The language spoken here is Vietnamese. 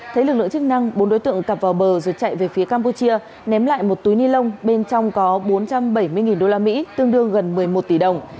thấy lực lượng chức năng bốn đối tượng cập vào bờ rồi chạy về phía campuchia ném lại một túi ni lông bên trong có bốn trăm bảy mươi usd tương đương gần một mươi một tỷ đồng